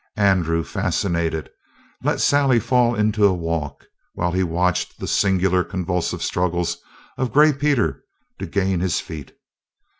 Andrew, fascinated, let Sally fall into a walk, while he watched the singular, convulsive struggles of Gray Peter to gain his feet.